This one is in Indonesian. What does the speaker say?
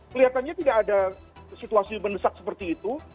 kelihatannya tidak ada situasi mendesak seperti itu